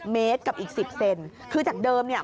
เมตรกับอีก๑๐เซนคือจากเดิมเนี่ย